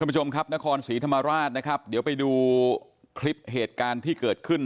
ผู้ชมครับนครศรีธรรมราชนะครับเดี๋ยวไปดูคลิปเหตุการณ์ที่เกิดขึ้น